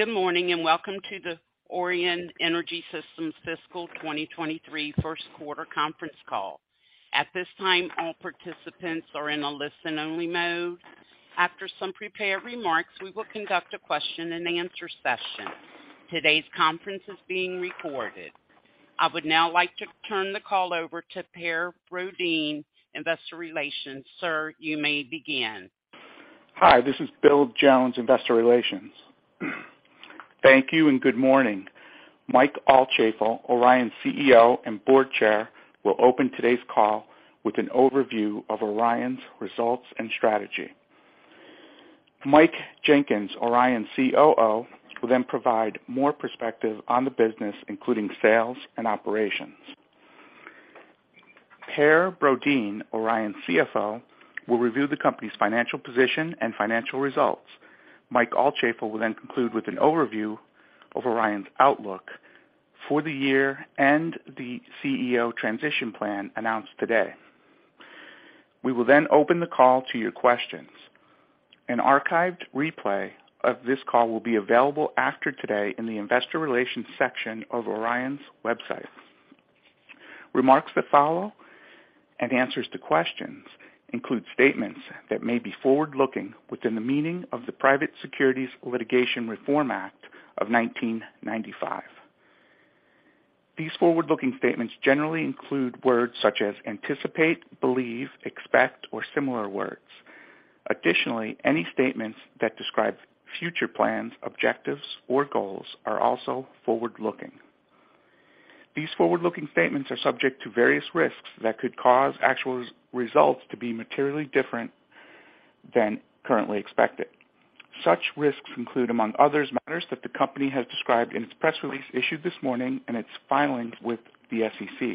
Good morning, and welcome to the Orion Energy Systems Fiscal 2023 First Quarter Conference Call. At this time, all participants are in a listen-only mode. After some prepared remarks, we will conduct a question-and-answer session. Today's conference is being recorded. I would now like to turn the call over to Per Brodin, Investor Relations. Sir, you may begin. Hi, this is Bill Jones, Investor Relations. Thank you and good morning. Mike Altschaefl, Orion CEO and Board Chair, will open today's call with an overview of Orion's results and strategy. Mike Jenkins, Orion COO, will then provide more perspective on the business, including sales and operations. Per Brodin, Orion CFO, will review the company's financial position and financial results. Mike Altschaefl will then conclude with an overview of Orion's outlook for the year, and the CEO transition plan announced today. We will then open the call to your questions. An archived replay of this call will be available after today in the Investor Relations section of Orion's website. Remarks that follow and answers to questions include statements that may be forward-looking within the meaning of the Private Securities Litigation Reform Act of 1995. These forward-looking statements generally include words such as anticipate, believe, expect, or similar words. Additionally, any statements that describe future plans, objectives, or goals are also forward-looking. These forward-looking statements are subject to various risks that could cause actual results to be materially different than currently expected. Such risks include, among others, matters that the company has described in its press release issued this morning and its filings with the SEC.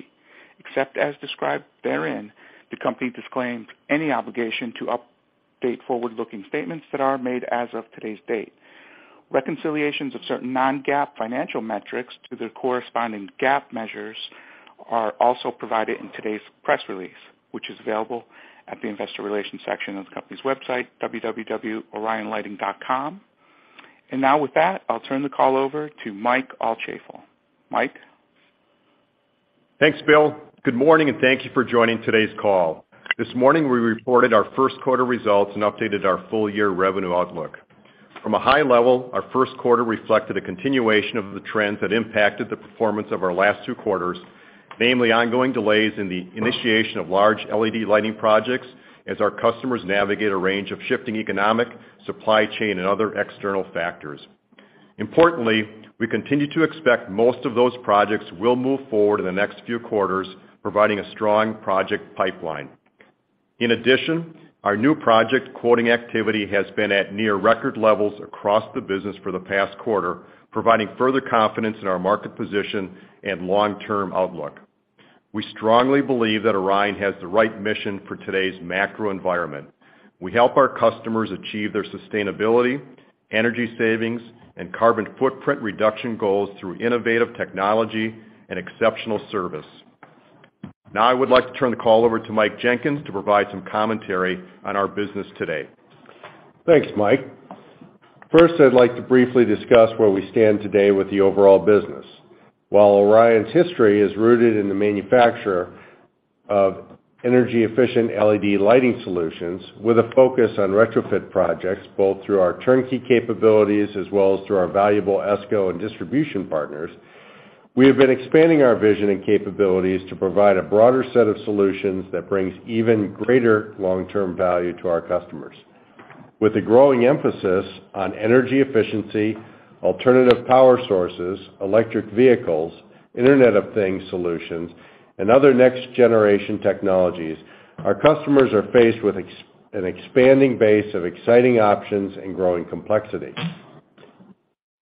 Except as described therein, the company disclaims any obligation to update forward-looking statements that are made as of today's date. Reconciliations of certain non-GAAP financial metrics to their corresponding GAAP measures are also provided in today's press release, which is available at the Investor Relations section of the company's website, www.orionlighting.com. Now, with that, I'll turn the call over to Mike Altschaefl. Mike? Thanks, Bill. Good morning and thank you for joining today's call. This morning, we reported our first quarter results and updated our full-year revenue outlook. From a high level, our first quarter reflected a continuation of the trends that impacted the performance of our last two quarters, namely ongoing delays in the initiation of large LED lighting projects as our customers navigate a range of shifting economic, supply chain, and other external factors. Importantly, we continue to expect most of those projects will move forward in the next few quarters, providing a strong project pipeline. In addition, our new project quoting activity has been at near record levels across the business for the past quarter, providing further confidence in our market position and long-term outlook. We strongly believe that Orion has the right mission for today's macro environment. We help our customers achieve their sustainability, energy savings, and carbon footprint reduction goals through innovative technology and exceptional service. Now, I would like to turn the call over to Mike Jenkins to provide some commentary on our business today. Thanks, Mike. First, I'd like to briefly discuss where we stand today with the overall business. While Orion's history is rooted in the manufacture of energy-efficient LED lighting solutions with a focus on retrofit projects, both through our turnkey capabilities as well as through our valuable ESCO and distribution partners, we have been expanding our vision and capabilities to provide a broader set of solutions that brings even greater long-term value to our customers. With the growing emphasis on energy efficiency, alternative power sources, electric vehicles, Internet of Things solutions, and other next-generation technologies, our customers are faced with an expanding base of exciting options and growing complexity.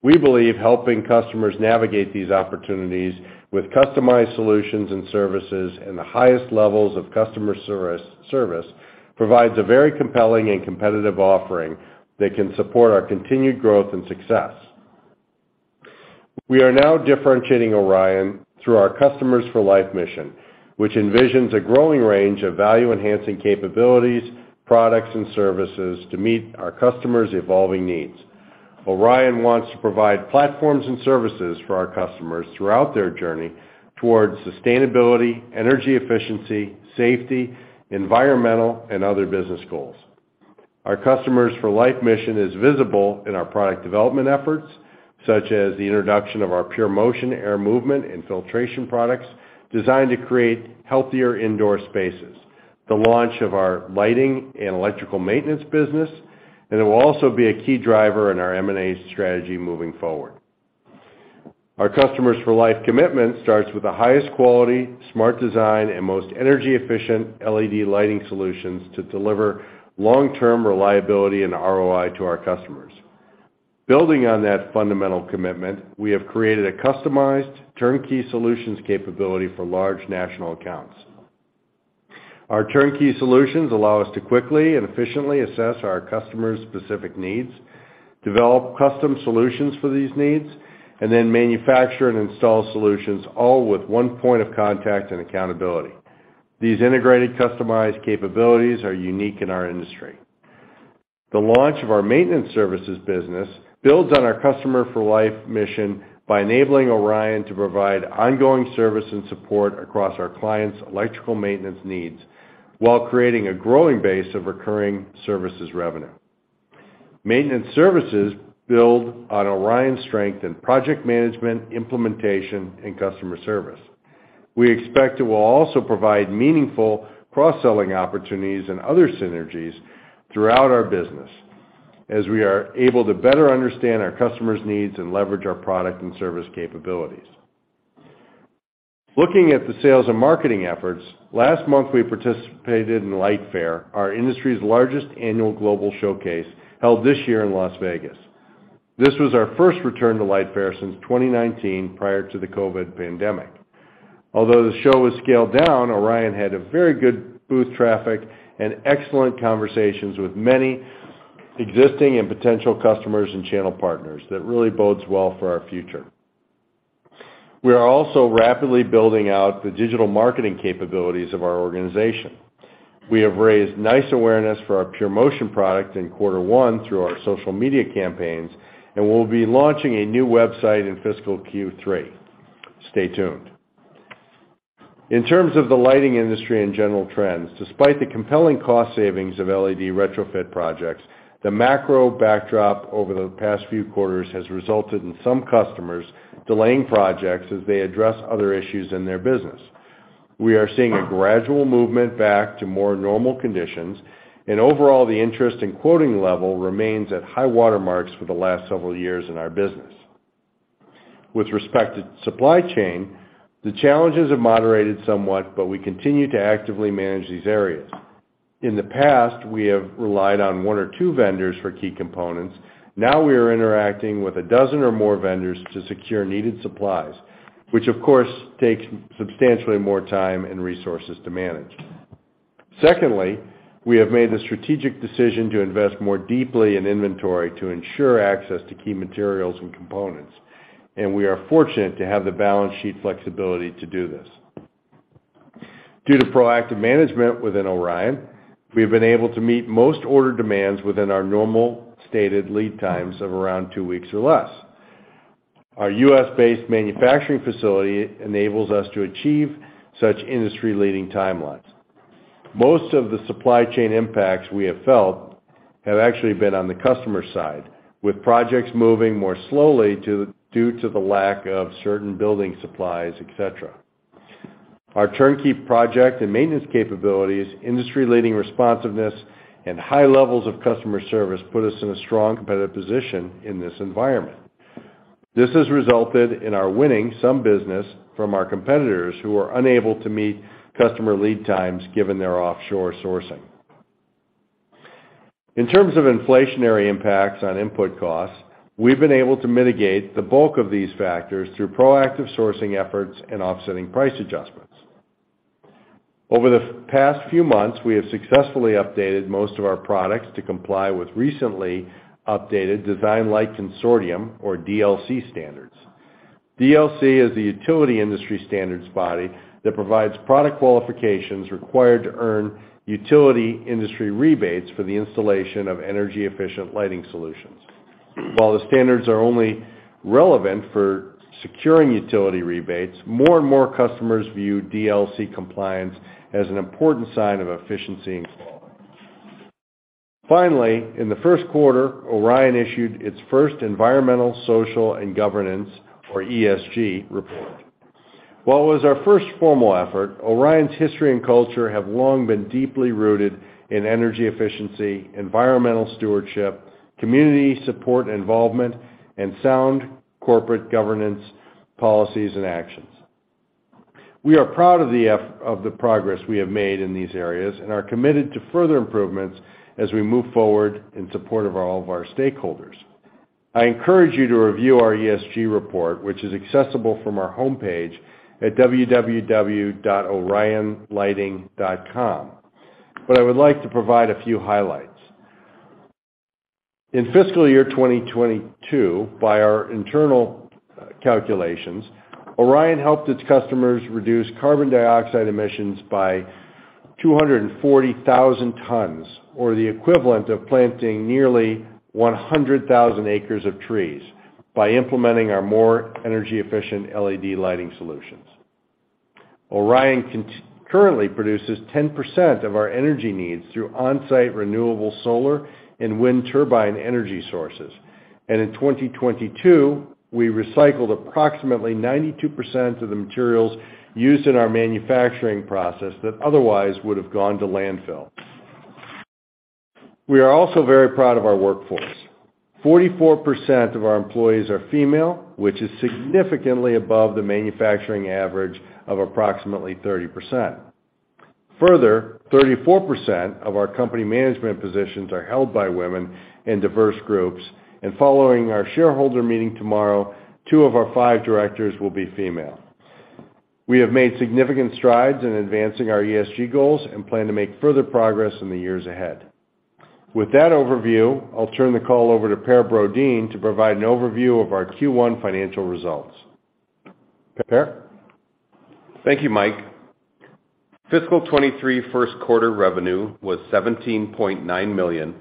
We believe helping customers navigate these opportunities with customized solutions and services and the highest levels of customer service provides a very compelling and competitive offering that can support our continued growth and success. We are now differentiating Orion through our Customers for Life mission, which envisions a growing range of value-enhancing capabilities, products, and services to meet our customers' evolving needs. Orion wants to provide platforms and services for our customers throughout their journey towards sustainability, energy efficiency, safety, environmental, and other business goals. Our Customers for Life mission is visible in our product development efforts, such as the introduction of our PureMotion air movement and filtration products designed to create healthier indoor spaces, the launch of our lighting and electrical maintenance business, and it will also be a key driver in our M&A strategy moving forward. Our Customers for Life commitment starts with the highest quality, smart design, and most energy-efficient LED lighting solutions to deliver long-term reliability and ROI to our customers. Building on that fundamental commitment, we have created a customized turnkey solutions capability for large national accounts. Our turnkey solutions allow us to quickly and efficiently assess our customers' specific needs, develop custom solutions for these needs, and then manufacture and install solutions, all with one point of contact and accountability. These integrated customized capabilities are unique in our industry. The launch of our maintenance services business builds on our Customers for Life mission by enabling Orion to provide ongoing service and support across our clients' electrical maintenance needs while creating a growing base of recurring services revenue. Maintenance services build on Orion's strength in project management, implementation, and customer service. We expect it will also provide meaningful cross-selling opportunities and other synergies throughout our business as we are able to better understand our customers' needs and leverage our product and service capabilities. Looking at the sales and marketing efforts, last month we participated in LightFair, our industry's largest annual global showcase, held this year in Las Vegas. This was our first return to LightFair since 2019 prior to the COVID pandemic. Although the show was scaled down, Orion had a very good booth traffic and excellent conversations with many existing and potential customers and channel partners that really bodes well for our future. We are also rapidly building out the digital marketing capabilities of our organization. We have raised nice awareness for our PureMotion product in quarter one through our social media campaigns, and we'll be launching a new website in fiscal third quarter. Stay tuned. In terms of the lighting industry and general trends, despite the compelling cost savings of LED retrofit projects, the macro backdrop over the past few quarters has resulted in some customers delaying projects as they address other issues in their business. We are seeing a gradual movement back to more normal conditions, and overall, the interest in quoting level remains at high water marks for the last several years in our business. With respect to supply chain, the challenges have moderated somewhat, but we continue to actively manage these areas. In the past, we have relied on one or two vendors for key components. Now we are interacting with a dozen or more vendors to secure needed supplies, which, of course, takes substantially more time and resources to manage. Secondly, we have made the strategic decision to invest more deeply in inventory to ensure access to key materials and components, and we are fortunate to have the balance sheet flexibility to do this. Due to proactive management within Orion, we have been able to meet most order demands within our normal stated lead times of around two weeks or less. Our US-based manufacturing facility enables us to achieve such industry-leading timelines. Most of the supply chain impacts we have felt have actually been on the customer side, with projects moving more slowly due to the lack of certain building supplies, et cetera. Our turnkey project and maintenance capabilities, industry-leading responsiveness, and high levels of customer service put us in a strong competitive position in this environment. This has resulted in our winning some business from our competitors who are unable to meet customer lead times given their offshore sourcing. In terms of inflationary impacts on input costs, we've been able to mitigate the bulk of these factors through proactive sourcing efforts and offsetting price adjustments. Over the past few months, we have successfully updated most of our products to comply with recently updated DesignLights Consortium or DLC standards. DLC is the utility industry standards body that provides product qualifications required to earn utility industry rebates for the installation of energy-efficient lighting solutions. While the standards are only relevant for securing utility rebates, more and more customers view DLC compliance as an important sign of efficiency and quality. Finally, in the first quarter, Orion issued its first environmental, social, and governance, or ESG, report. While it was our first formal effort, Orion's history and culture have long been deeply rooted in energy efficiency, environmental stewardship, community support involvement, and sound corporate governance policies and actions. We are proud of the progress we have made in these areas and are committed to further improvements as we move forward in support of all of our stakeholders. I encourage you to review our ESG report, which is accessible from our homepage at www.orionlighting.com. I would like to provide a few highlights. In fiscal year 2022, by our internal calculations, Orion helped its customers reduce carbon dioxide emissions by 240,000 tons, or the equivalent of planting nearly 100,000 acres of trees by implementing our more energy-efficient LED lighting solutions. Orion currently produces 10% of our energy needs through on-site renewable solar and wind turbine energy sources. In 2022, we recycled approximately 92% of the materials used in our manufacturing process that otherwise would have gone to landfill. We are also very proud of our workforce. 44% of our employees are female, which is significantly above the manufacturing average of approximately 30%. Further, 34% of our company management positions are held by women in diverse groups, and following our shareholder meeting tomorrow, two of our five directors will be female. We have made significant strides in advancing our ESG goals and plan to make further progress in the years ahead. With that overview, I'll turn the call over to Per Brodin to provide an overview of our first quarter financial results. Per? Thank you, Mike. Fiscal 2023 first quarter revenue was $17.9 million,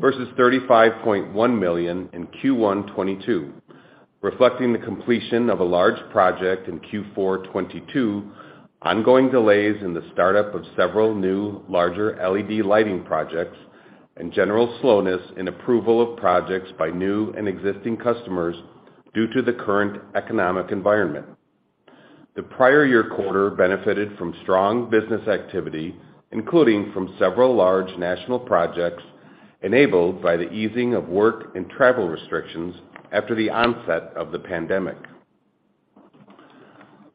versus $35.1 million in first quarter 2022, reflecting the completion of a large project in fourth quarter 2022, ongoing delays in the startup of several new larger LED lighting projects, and general slowness in approval of projects by new and existing customers due to the current economic environment. The prior year quarter benefited from strong business activity, including from several large national projects enabled by the easing of work and travel restrictions after the onset of the pandemic.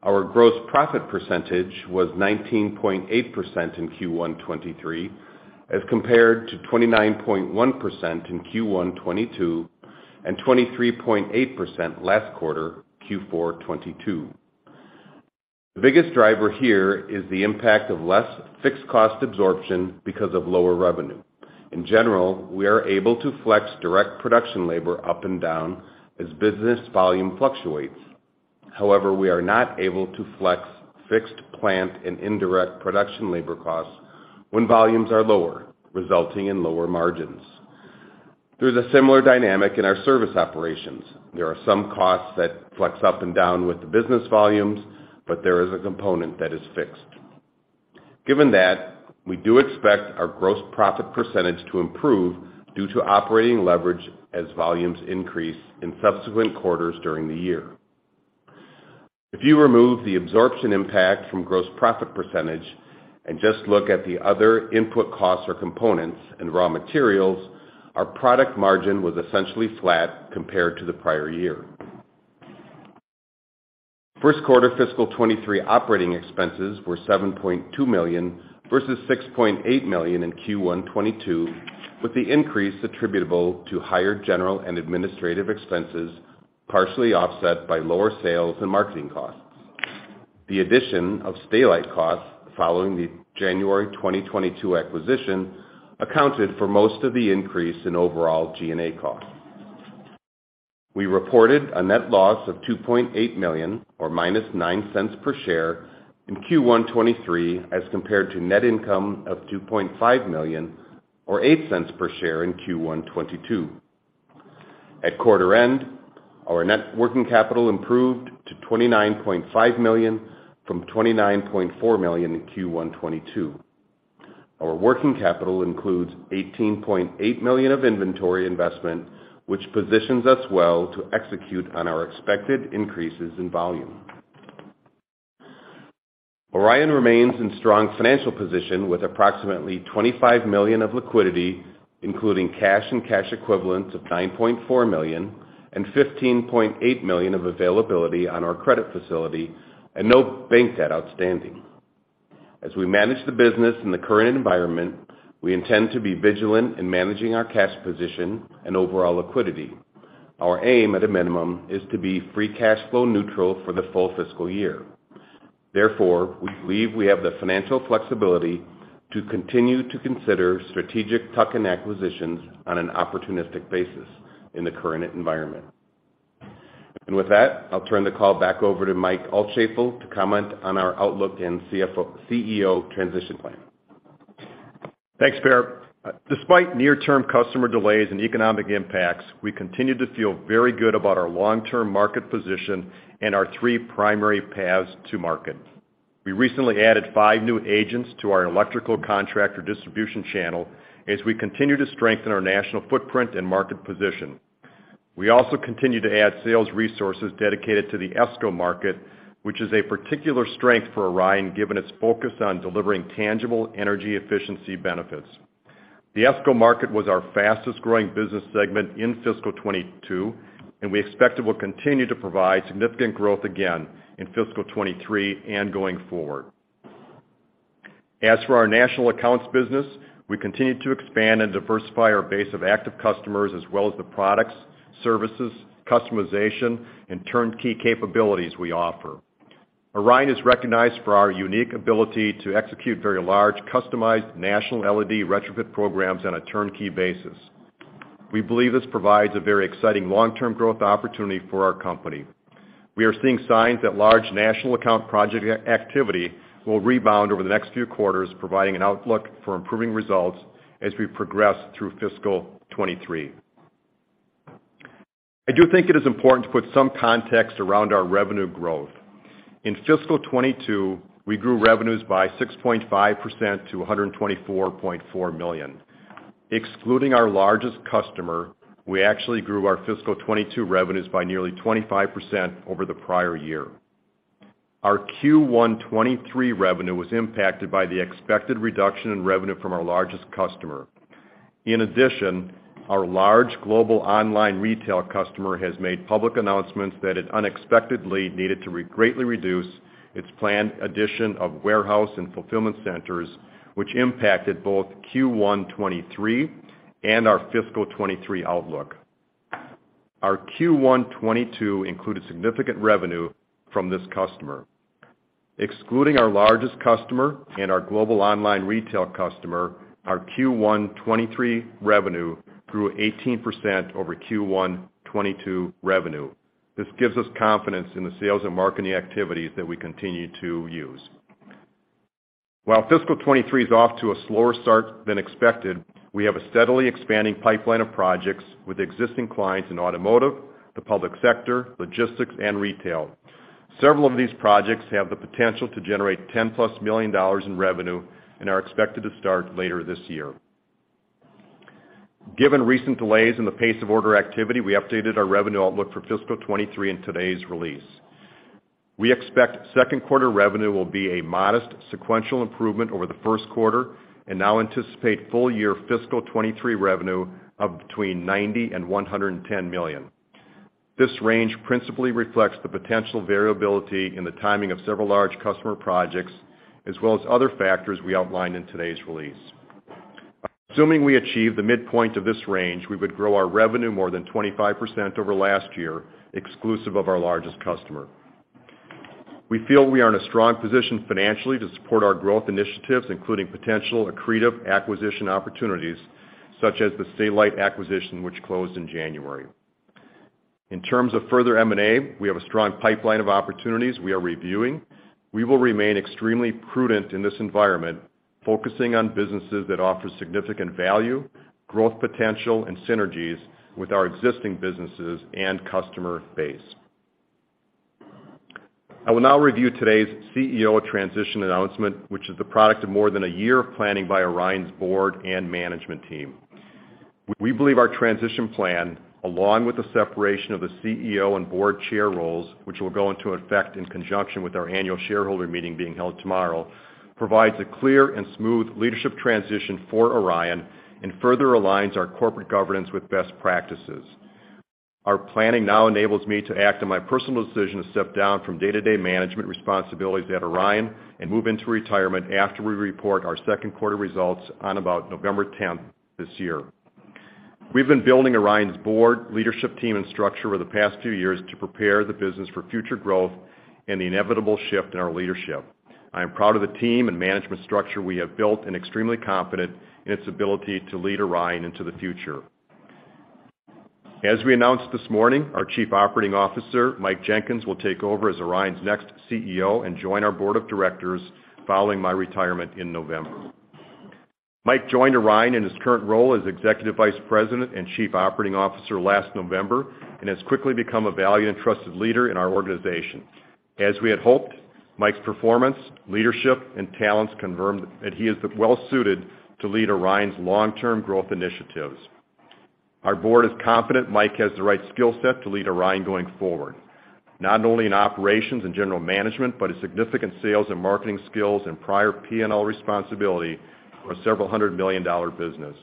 Our gross profit percentage was 19.8% in first quarter 2023, as compared to 29.1% in first quarter 2022 and 23.8% last quarter, fourth quarter 2022. The biggest driver here is the impact of less fixed cost absorption because of lower revenue. In general, we are able to flex direct production labor up and down as business volume fluctuates. However, we are not able to flex fixed plant and indirect production labor costs when volumes are lower, resulting in lower margins. There's a similar dynamic in our service operations. There are some costs that flex up and down with the business volumes, but there is a component that is fixed. Given that, we do expect our gross profit percentage to improve due to operating leverage as volumes increase in subsequent quarters during the year. If you remove the absorption impact from gross profit percentage and just look at the other input costs or components and raw materials, our product margin was essentially flat compared to the prior year. First quarter fiscal 2023 operating expenses were $7.2 million, versus $6.8 million in first quarter 2022, with the increase attributable to higher general and administrative expenses, partially offset by lower sales and marketing costs. The addition of Stay-Lite costs following the January 2022 acquisition accounted for most of the increase in overall G&A costs. We reported a net loss of $2.8 million or -$0.09 per share in first quarter 2023, as compared to net income of $2.5 million or $0.08 per share in first quarter 2022. At quarter end, our net working capital improved to $29.5 million from $29.4 million in first quarter 2022. Our working capital includes $18.8 million of inventory investment, which positions us well to execute on our expected increases in volume. Orion remains in strong financial position with approximately $25 million of liquidity, including cash and cash equivalents of $9.4 million and $15.8 million of availability on our credit facility and no bank debt outstanding. As we manage the business in the current environment, we intend to be vigilant in managing our cash position and overall liquidity. Our aim at a minimum is to be free cash flow neutral for the full fiscal year. Therefore, we believe we have the financial flexibility to continue to consider strategic tuck-in acquisitions on an opportunistic basis in the current environment. With that, I'll turn the call back over to Mike Altschaefl to comment on our outlook and CFO-CEO transition plan. Thanks, Per. Despite near-term customer delays and economic impacts, we continue to feel very good about our long-term market position and our three primary paths to market. We recently added five new agents to our electrical contractor distribution channel as we continue to strengthen our national footprint and market position. We also continue to add sales resources dedicated to the ESCO market, which is a particular strength for Orion given its focus on delivering tangible energy efficiency benefits. The ESCO market was our fastest-growing business segment in fiscal 2022, and we expect it will continue to provide significant growth again in fiscal 2023 and going forward. As for our national accounts business, we continue to expand and diversify our base of active customers as well as the products, services, customization, and turnkey capabilities we offer. Orion is recognized for our unique ability to execute very large customized national LED retrofit programs on a turnkey basis. We believe this provides a very exciting long-term growth opportunity for our company. We are seeing signs that large national account project activity will rebound over the next few quarters, providing an outlook for improving results as we progress through fiscal 2023. I do think it is important to put some context around our revenue growth. In fiscal 2022, we grew revenues by 6.5% to $124.4 million. Excluding our largest customer, we actually grew our fiscal 2022 revenues by nearly 25% over the prior year. Our first quarter 2023 revenue was impacted by the expected reduction in revenue from our largest customer. In addition, our large global online retail customer has made public announcements that it unexpectedly needed to greatly reduce its planned addition of warehouse and fulfillment centers, which impacted both first quarter 2023 and our fiscal 2023 outlook. Our first quarter 2022 included significant revenue from this customer. Excluding our largest customer and our global online retail customer, our first quarter 2023 revenue grew 18% over first quarter 2022 revenue. This gives us confidence in the sales and marketing activities that we continue to use. While fiscal 2023 is off to a slower start than expected, we have a steadily expanding pipeline of projects with existing clients in automotive, the public sector, logistics and retail. Several of these projects have the potential to generate $10 million-plus in revenue and are expected to start later this year. Given recent delays in the pace of order activity, we updated our revenue outlook for fiscal 2023 in today's release. We expect second quarter revenue will be a modest sequential improvement over the first quarter and now anticipate full year fiscal 2023 revenue of between $90 million and $110 million. This range principally reflects the potential variability in the timing of several large customer projects, as well as other factors we outlined in today's release. Assuming we achieve the midpoint of this range, we would grow our revenue more than 25% over last year, exclusive of our largest customer. We feel we are in a strong position financially to support our growth initiatives, including potential accretive acquisition opportunities such as the Stay-Lite acquisition, which closed in January. In terms of further M&A, we have a strong pipeline of opportunities we are reviewing. We will remain extremely prudent in this environment, focusing on businesses that offer significant value, growth, potential, and synergies with our existing businesses and customer base. I will now review today's CEO transition announcement, which is the product of more than a year of planning by Orion's board and management team. We believe our transition plan, along with the separation of the CEO and board chair roles, which will go into effect in conjunction with our annual shareholder meeting being held tomorrow, provides a clear and smooth leadership transition for Orion and further aligns our corporate governance with best practices. Our planning now enables me to act on my personal decision to step down from day-to-day management responsibilities at Orion and move into retirement after we report our second quarter results on about 10 November 2023. We've been building Orion's board leadership team and structure over the past few years to prepare the business for future growth and the inevitable shift in our leadership. I am proud of the team and management structure we have built and extremely confident in its ability to lead Orion into the future. As we announced this morning, our Chief Operating Officer, Mike Jenkins, will take over as Orion's next CEO and join our board of directors following my retirement in November. Mike joined Orion in his current role as Executive Vice President and Chief Operating Officer last November and has quickly become a valued and trusted leader in our organization. As we had hoped, Mike's performance, leadership, and talents confirmed that he is well suited to lead Orion's long-term growth initiatives. Our board is confident Mike has the right skill set to lead Orion going forward, not only in operations and general management, but his significant sales and marketing skills and prior P&L responsibility for a several-hundred-million-dollar business.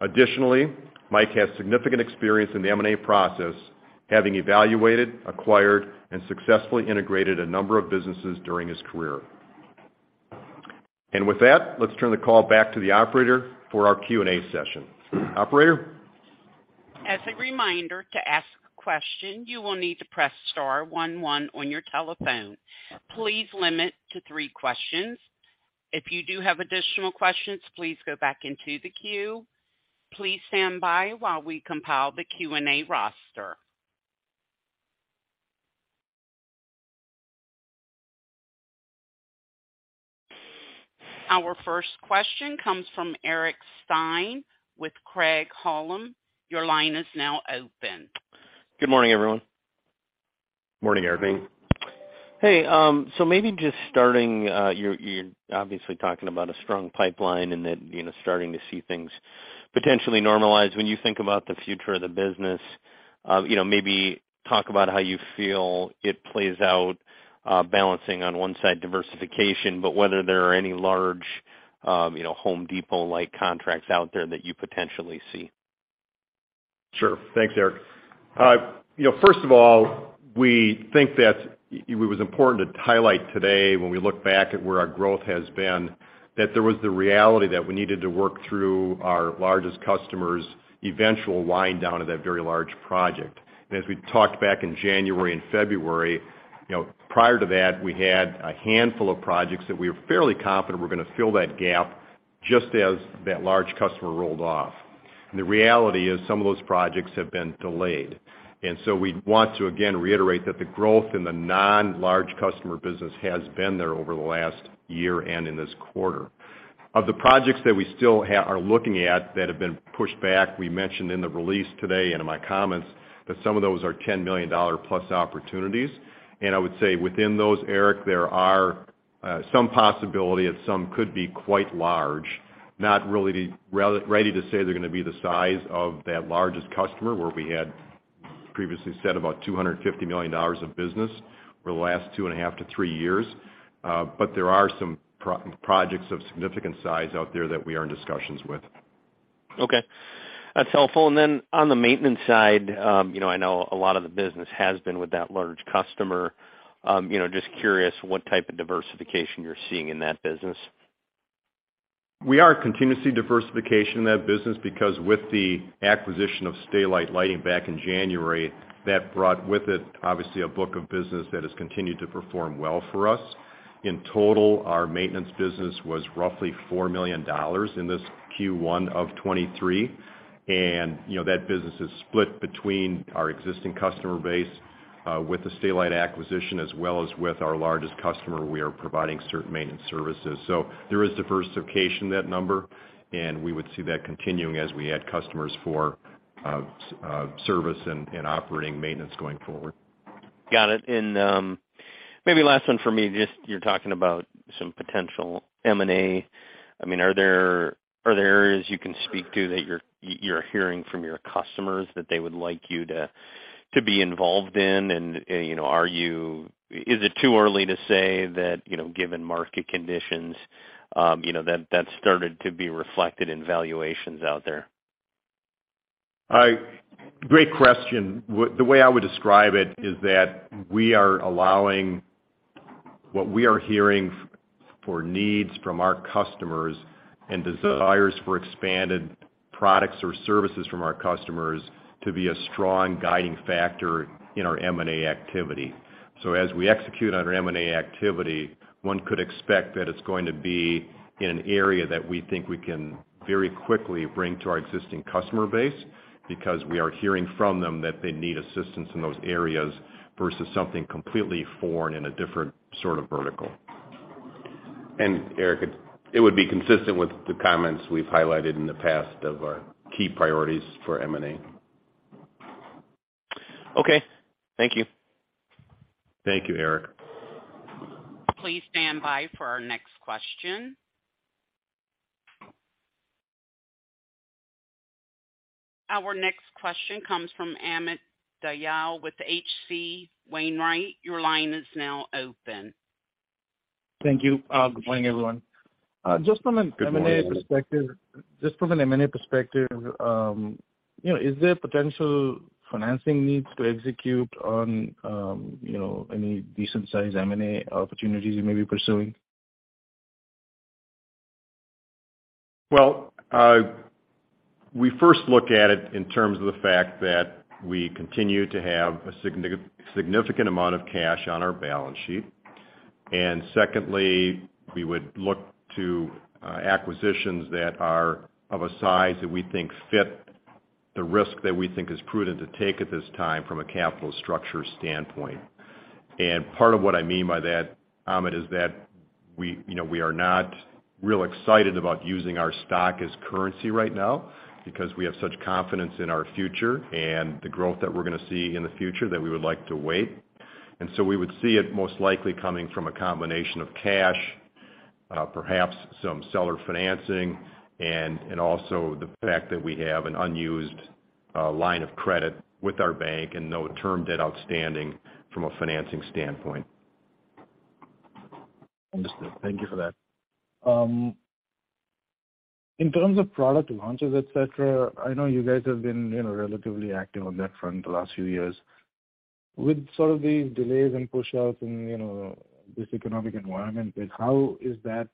Additionally, Mike has significant experience in the M&A process, having evaluated, acquired, and successfully integrated a number of businesses during his career. With that, let's turn the call back to the operator for our Q&A session. Operator? As a reminder, to ask a question, you will need to press star one, one on your telephone. Please limit to three questions. If you do have additional questions, please go back into the queue. Please stand by while we compile the Q&A roster. Our first question comes from Eric Stine with Craig-Hallum. Your line is now open. Good morning, everyone. Morning, Eric. Hey, maybe just starting, you're obviously talking about a strong pipeline and that, you know, starting to see things potentially normalize. When you think about the future of the business, you know, maybe talk about how you feel it plays out, balancing on one side diversification, but whether there are any large, you know, Home Depot-like contracts out there that you potentially see. Sure. Thanks, Eric. You know, first of all, we think that it was important to highlight today when we look back at where our growth has been, that there was the reality that we needed to work through our largest customer's eventual wind down of that very large project. As we talked back in January and February, you know, prior to that, we had a handful of projects that we were fairly confident were gonna fill that gap just as that large customer rolled off. The reality is some of those projects have been delayed. We want to again reiterate that the growth in the non-large customer business has been there over the last year and in this quarter. Of the projects that we still are looking at that have been pushed back, we mentioned in the release today and in my comments that some of those are $10 million-plus opportunities. I would say within those, Eric, there are some possibility that some could be quite large. Not really ready to say they're gonna be the size of that largest customer, where we had previously said about $250 million of business over the last 2.5 to three years. There are some projects of significant size out there that we are in discussions with. Okay, that's helpful. On the maintenance side, you know, I know a lot of the business has been with that large customer. You know, just curious what type of diversification you're seeing in that business. We are continuously diversifying that business because with the acquisition of Stay-Lite Lighting back in January, that brought with it obviously a book of business that has continued to perform well for us. In total, our maintenance business was roughly $4 million in this first quarter of 2023. You know that business is split between our existing customer base with the Stay-Lite acquisition as well as with our largest customer, we are providing certain maintenance services. There is diversification that number, and we would see that continuing as we add customers for service and operating maintenance going forward. Got it. Maybe last one for me, just you're talking about some potential M&A. I mean, are there areas you can speak to that you're hearing from your customers that they would like you to be involved in? You know, is it too early to say that, you know, given market conditions, you know, that started to be reflected in valuations out there? Great question. The way I would describe it is that we are allowing what we are hearing for needs from our customers and desires for expanded products or services from our customers to be a strong guiding factor in our M&A activity. As we execute on our M&A activity, one could expect that it's going to be in an area that we think we can very quickly bring to our existing customer base because we are hearing from them that they need assistance in those areas versus something completely foreign in a different sort of vertical. Eric, it would be consistent with the comments we've highlighted in the past of our key priorities for M&A. Okay, thank you. Thank you, Eric. Please stand by for our next question. Our next question comes from Amit Dayal with H.C. Wainwright. Your line is now open. Thank you. Good morning, everyone. Just from an M&A perspective. Good morning. Just from an M&A perspective, you know, is there potential financing needs to execute on, you know, any decent sized M&A opportunities you may be pursuing? Well, we first look at it in terms of the fact that we continue to have a significant amount of cash on our balance sheet. Secondly, we would look to acquisitions that are of a size that we think fit the risk that we think is prudent to take at this time from a capital structure standpoint. Part of what I mean by that, Amit, is that we, you know, we are not real excited about using our stock as currency right now because we have such confidence in our future and the growth that we're gonna see in the future that we would like to wait. We would see it most likely coming from a combination of cash, perhaps some seller financing and also the fact that we have an unused line of credit with our bank and no term debt outstanding from a financing standpoint. Understood. Thank you for that. In terms of product launches, et cetera, I know you guys have been, you know, relatively active on that front the last few years. With some of these delays and pushouts and, you know, this economic environment, how is that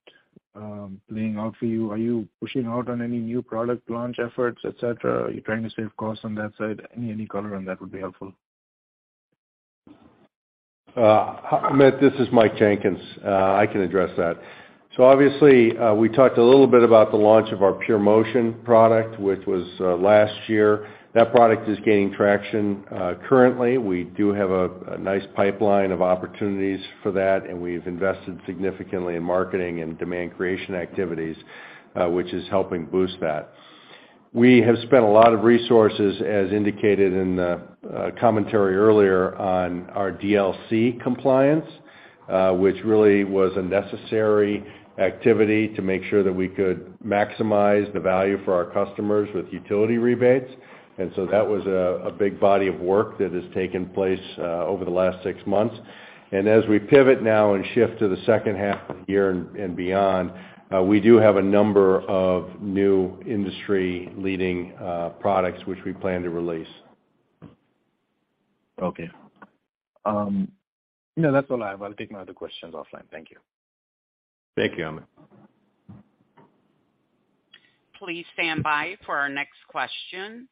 playing out for you? Are you pushing out on any new product launch efforts, et cetera? Are you trying to save costs on that side? Any color on that would be helpful. Amit, this is Mike Jenkins. I can address that. Obviously, we talked a little bit about the launch of our PureMotion product, which was last year. That product is gaining traction. Currently, we do have a nice pipeline of opportunities for that, and we've invested significantly in marketing and demand creation activities, which is helping boost that. We have spent a lot of resources, as indicated in the commentary earlier, on our DLC compliance, which really was a necessary activity to make sure that we could maximize the value for our customers with utility rebates. That was a big body of work that has taken place over the last six months. As we pivot now and shift to the second half of the year and beyond, we do have a number of new industry-leading products which we plan to release. Okay. No, that's all I have. I'll take my other questions offline. Thank you. Thank you, Amit. Please stand by for our next question.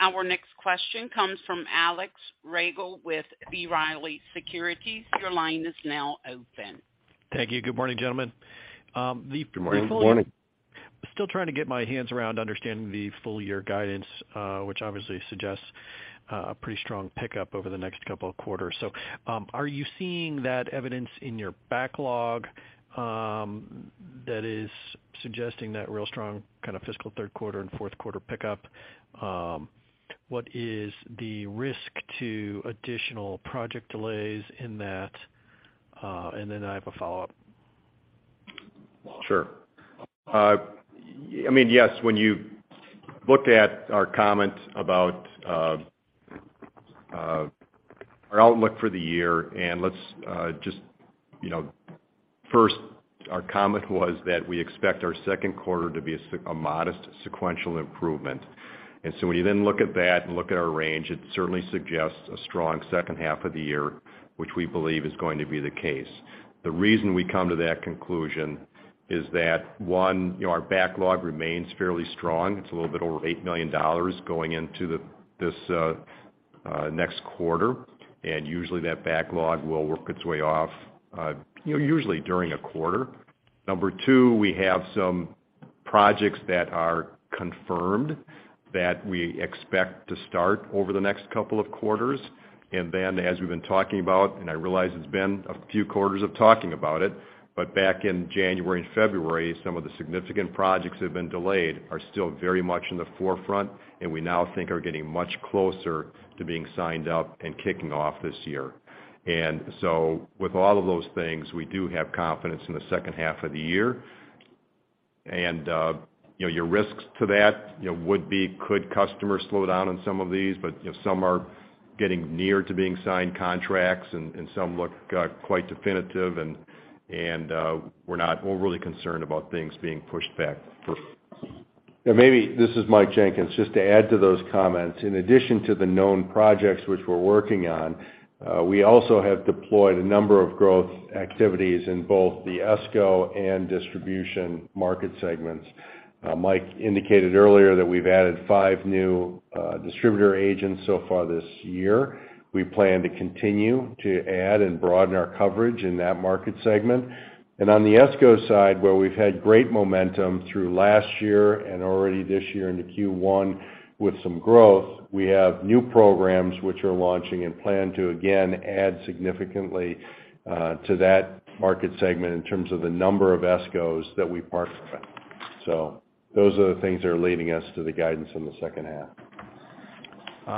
Our next question comes from Alex Rygiel with B. Riley Securities. Your line is now open. Thank you. Good morning, gentlemen. Good morning. Good morning. Still trying to get my hands around understanding the full year guidance, which obviously suggests a pretty strong pickup over the next couple of quarters. Are you seeing that evidence in your backlog that is suggesting that real strong kind of fiscal third quarter and fourth quarter pickup? What is the risk to additional project delays in that? Then I have a follow-up. Sure. I mean, yes, when you look at our comments about our outlook for the year. First, our comment was that we expect our second quarter to be a modest sequential improvement. When you then look at that and look at our range, it certainly suggests a strong second half of the year, which we believe is going to be the case. The reason we come to that conclusion is that one, you know, our backlog remains fairly strong. It's a little bit over $8 million going into this next quarter, and usually that backlog will work its way off, you know, usually during a quarter. Number two, we have some projects that are confirmed that we expect to start over the next couple of quarters. Then as we've been talking about, and I realize it's been a few quarters of talking about it, but back in January and February, some of the significant projects that have been delayed are still very much in the forefront, and we now think are getting much closer to being signed up and kicking off this year. With all of those things, we do have confidence in the second half of the year. You know, your risks to that, you know, would be could customers slow down on some of these? You know, some are getting near to being signed contracts and quite definitive and we're not overly concerned about things being pushed back for. This is Mike Jenkins. Just to add to those comments, in addition to the known projects which we're working on, we also have deployed a number of growth activities in both the ESCO and distribution market segments. Mike indicated earlier that we've added five new distributor agents so far this year. We plan to continue to add and broaden our coverage in that market segment. On the ESCO side, where we've had great momentum through last year and already this year into first quarter with some growth, we have new programs which are launching and plan to again add significantly to that market segment in terms of the number of ESCOs that we partner with. Those are the things that are leading us to the guidance in the second half.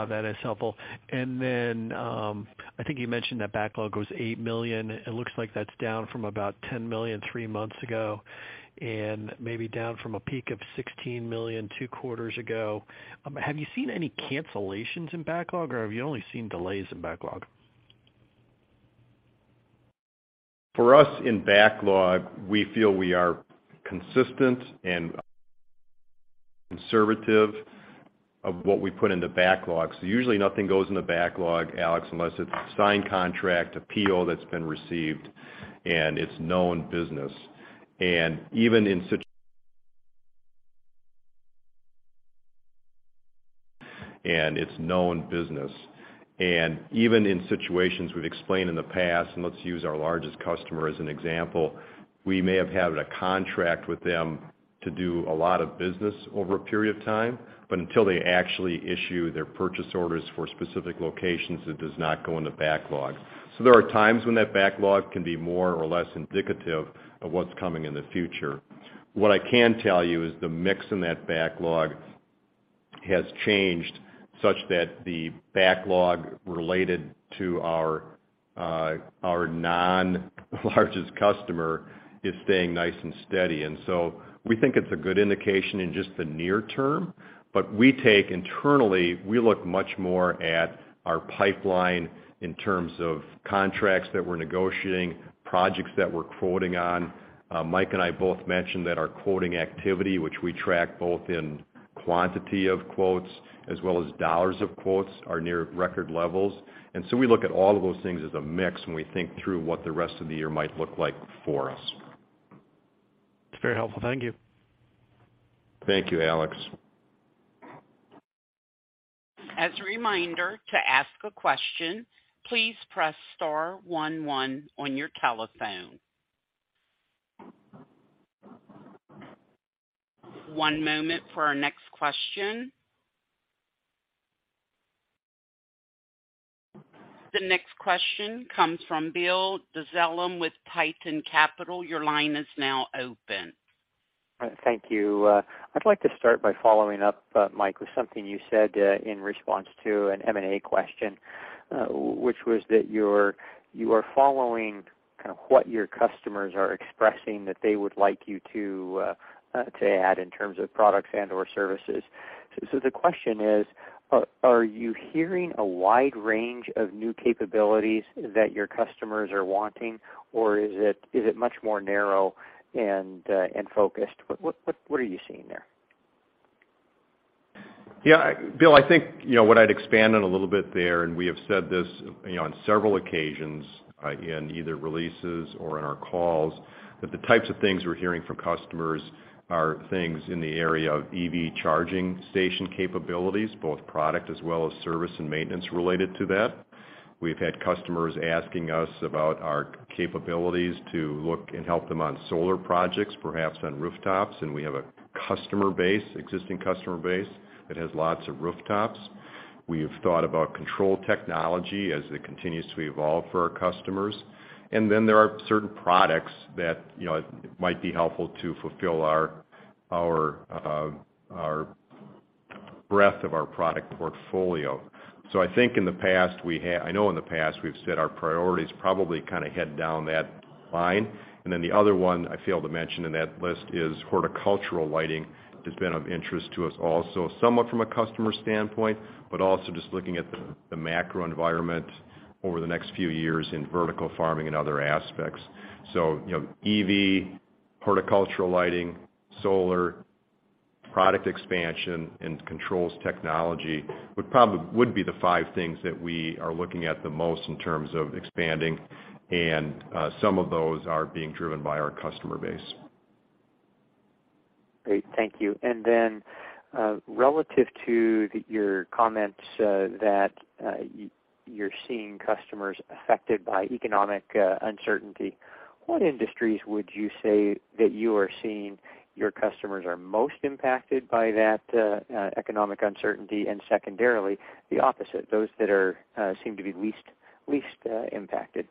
That is helpful. I think you mentioned that backlog was $8 million. It looks like that's down from about $10 million three months ago, and maybe down from a peak of $16 million two quarters ago. Have you seen any cancellations in backlog, or have you only seen delays in backlog? For us in backlog, we feel we are consistent and conservative in what we put in the backlog. Usually nothing goes in the backlog, Alex, unless it's a signed contract, a PO that's been received, and it's known business. Even in situations we've explained in the past, and let's use our largest customer as an example, we may have had a contract with them to do a lot of business over a period of time, but until they actually issue their purchase orders for specific locations, it does not go in the backlog. There are times when that backlog can be more or less indicative of what's coming in the future. What I can tell you is the mix in that backlog has changed such that the backlog related to our non-largest customer is staying nice and steady. We think it's a good indication in just the near term. We take internally, we look much more at our pipeline in terms of contracts that we're negotiating, projects that we're quoting on. Mike and I both mentioned that our quoting activity, which we track both in quantity of quotes as well as dollars of quotes, are near record levels. We look at all of those things as a mix when we think through what the rest of the year might look like for us. It's very helpful. Thank you. Thank you, Alex. As a reminder, to ask a question, please press star one, one on your telephone. One moment for our next question. The next question comes from Bill Dezellem with Tieton Capital. Your line is now open. Thank you. I'd like to start by following up, Mike, with something you said in response to an M&A question, which was that you are following kind of what your customers are expressing that they would like you to add in terms of products and/or services. The question is, are you hearing a wide range of new capabilities that your customers are wanting, or is it much more narrow and focused? What are you seeing there? Yeah, Bill, I think, you know, what I'd expand on a little bit there, and we have said this, you know, on several occasions in either releases or in our calls, that the types of things we're hearing from customers are things in the area of EV charging station capabilities, both product as well as service and maintenance related to that. We've had customers asking us about our capabilities to look and help them on solar projects, perhaps on rooftops, and we have a customer base, existing customer base, that has lots of rooftops. We have thought about control technology as it continues to evolve for our customers. Then there are certain products that, you know, might be helpful to fulfill our breadth of our product portfolio. I think in the past I know in the past we've said our priorities probably kind of head down that line. Then the other one I failed to mention in that list is horticultural lighting has been of interest to us also, somewhat from a customer standpoint, but also just looking at the macro environment over the next few years in vertical farming and other aspects. You know, EV, horticultural lighting, solar product expansion and controls technology would probably be the five things that we are looking at the most in terms of expanding, and some of those are being driven by our customer base. Great. Thank you. Relative to your comments that you're seeing customers affected by economic uncertainty, what industries would you say that you are seeing your customers are most impacted by that economic uncertainty, and secondarily, the opposite, those that seem to be least impacted?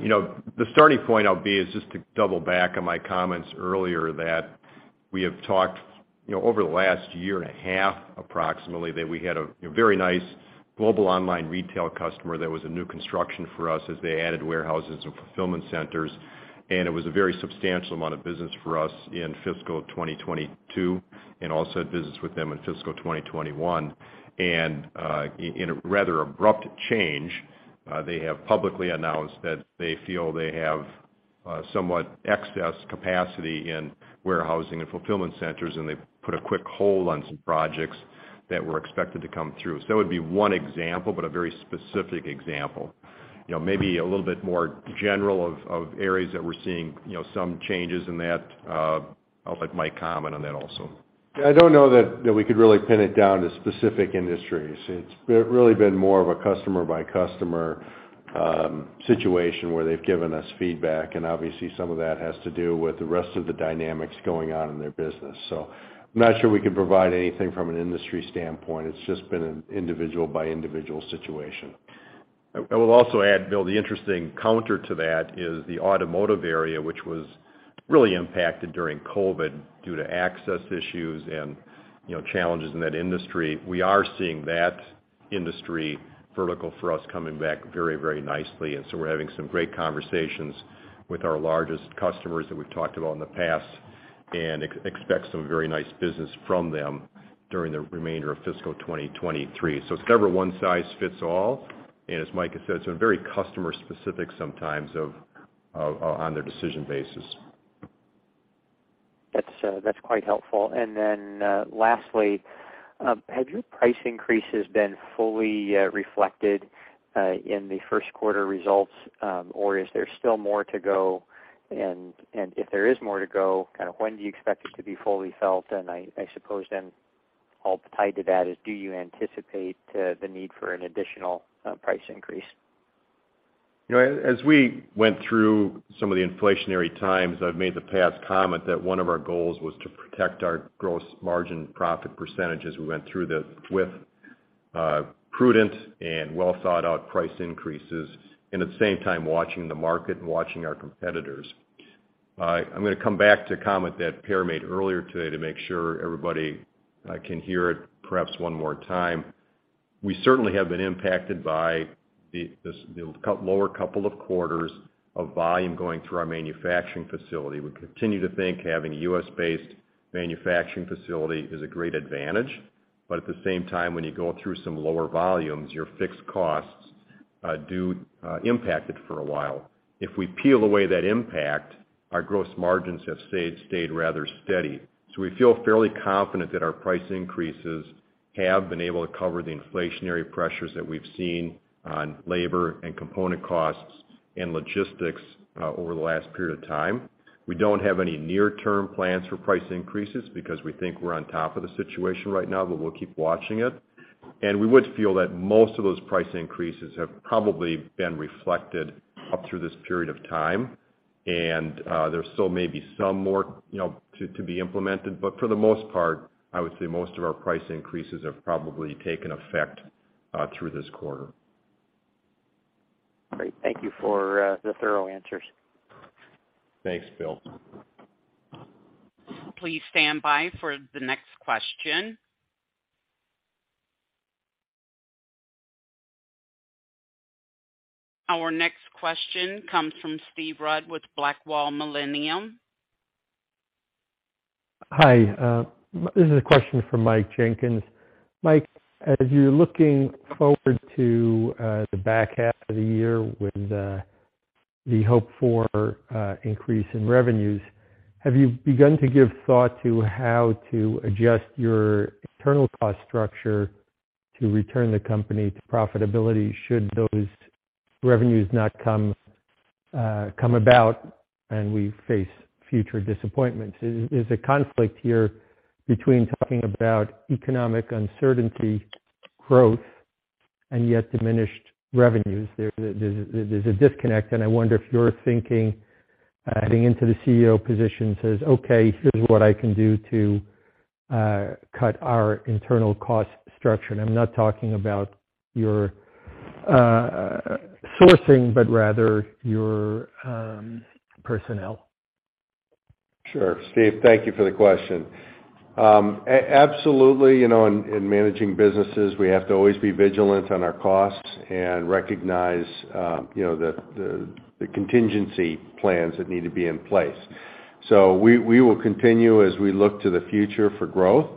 You know, the starting point I'll be is just to double back on my comments earlier that we have talked, you know, over the last year and a half, approximately, that we had a very nice global online retail customer that was a new construction for us as they added warehouses and fulfillment centers. It was a very substantial amount of business for us in fiscal 2022, and also had business with them in fiscal 2021. In a rather abrupt change, they have publicly announced that they feel they have somewhat excess capacity in warehousing and fulfillment centers, and they've put a quick hold on some projects that were expected to come through. That would be one example, but a very specific example. You know, maybe a little bit more general of areas that we're seeing, you know, some changes in that. I'll let Mike comment on that also. I don't know that we could really pin it down to specific industries. It's really been more of a customer-by-customer situation where they've given us feedback, and obviously some of that has to do with the rest of the dynamics going on in their business. I'm not sure we could provide anything from an industry standpoint. It's just been an individual-by-individual situation. I will also add, Bill, the interesting counter to that is the automotive area, which was really impacted during COVID due to access issues and, you know, challenges in that industry. We are seeing that industry vertical for us coming back very, very nicely, and so we're having some great conversations with our largest customers that we've talked about in the past and expect some very nice business from them during the remainder of fiscal 2023. It's never one size fits all, and as Mike has said, it's been very customer specific sometimes off on their decision basis. That's quite helpful. Lastly, have your price increases been fully reflected in the first quarter results, or is there still more to go? If there is more to go, kind of, when do you expect it to be fully felt? I suppose then all tied to that is do you anticipate the need for an additional price increase? You know, as we went through some of the inflationary times, I've made the past comment that one of our goals was to protect our gross margin profit percentage as we went through this with prudent and well-thought-out price increases, and at the same time watching the market and watching our competitors. I'm gonna come back to a comment that Per made earlier today to make sure everybody can hear it perhaps one more time. We certainly have been impacted by the lower couple of quarters of volume going through our manufacturing facility. We continue to think having a US-based manufacturing facility is a great advantage. At the same time, when you go through some lower volumes, your fixed costs do impact it for a while. If we peel away that impact, our gross margins have stayed rather steady. We feel fairly confident that our price increases have been able to cover the inflationary pressures that we've seen on labor and component costs and logistics, over the last period of time. We don't have any near-term plans for price increases because we think we're on top of the situation right now, but we'll keep watching it. We would feel that most of those price increases have probably been reflected up through this period of time. There still may be some more, you know, to be implemented, but for the most part, I would say most of our price increases have probably taken effect, through this quarter. Great. Thank you for the thorough answers. Thanks, Bill. Please stand by for the next question. Our next question comes from Steve Rudd with Blackwall Millennium. Hi. This is a question for Mike Jenkins. Mike, as you're looking forward to the back half of the year with the hope for increase in revenues, have you begun to give thought to how to adjust your internal cost structure to return the company to profitability should those revenues not come about and we face future disappointments? Is a conflict here between talking about economic uncertainty growth and yet diminished revenues? There's a disconnect, and I wonder if your thinking heading into the CEO position says, "Okay, here's what I can do to cut our internal cost structure." I'm not talking about your sourcing, but rather your personnel. Sure. Steve, thank you for the question. Absolutely, you know, in managing businesses, we have to always be vigilant on our costs and recognize the contingency plans that need to be in place. We will continue as we look to the future for growth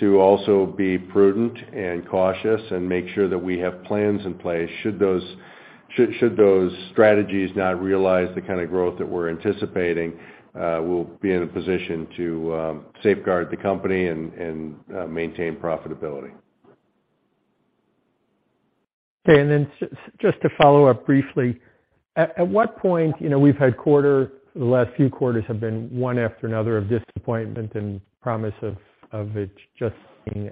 to also be prudent and cautious and make sure that we have plans in place should those strategies not realize the kind of growth that we're anticipating. We'll be in a position to safeguard the company and maintain profitability. Okay. Just to follow up briefly. At what point? You know, we've had the last few quarters have been one after another of disappointment and promise of it just being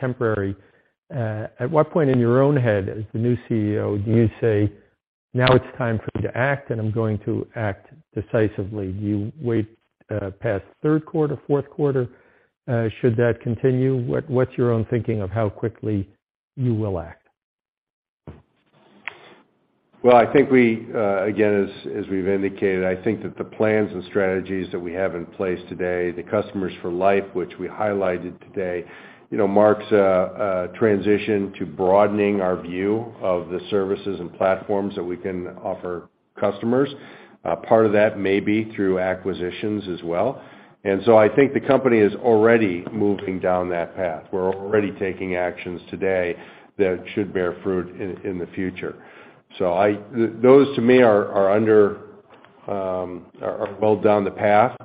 temporary. At what point in your own head, as the new CEO, do you say, "Now it's time for me to act, and I'm going to act decisively." Do you wait past third quarter, fourth quarter, should that continue? What's your own thinking of how quickly you will act? Well, I think we again, as we've indicated, I think that the plans and strategies that we have in place today, the Customers for Life, which we highlighted today, you know, marks a transition to broadening our view of the services and platforms that we can offer customers. Part of that may be through acquisitions as well. I think the company is already moving down that path. We're already taking actions today that should bear fruit in the future. Those to me are well down the path.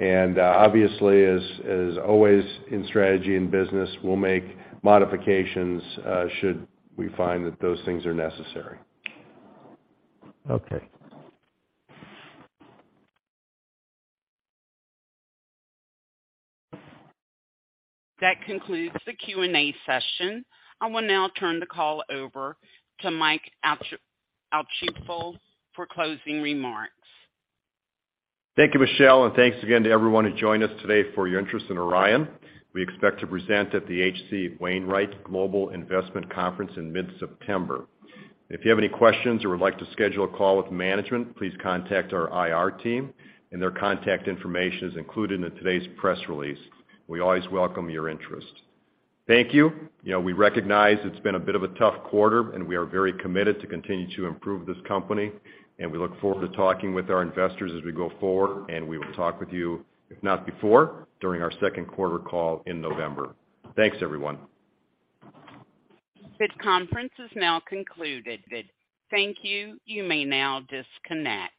Obviously, as always in strategy and business, we'll make modifications should we find that those things are necessary. Okay. That concludes the Q&A session. I will now turn the call over to Mike Altschaefl for closing remarks. Thank you, Michelle. Thanks again to everyone who joined us today for your interest in Orion. We expect to present at the H.C. Wainwright Global Investment Conference in mid-September. If you have any questions or would like to schedule a call with management, please contact our IR team, and their contact information is included in today's press release. We always welcome your interest. Thank you. You know, we recognize it's been a bit of a tough quarter, and we are very committed to continue to improve this company, and we look forward to talking with our investors as we go forward, and we will talk with you, if not before, during our second quarter call in November. Thanks, everyone. This conference is now concluded. Thank you. You may now disconnect.